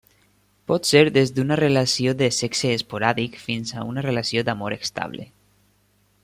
Pot ser des d'una relació de sexe esporàdic fins a una relació d'amor estable.